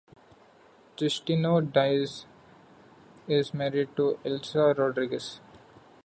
Justino Diaz is married to Ilsa Rodriguez.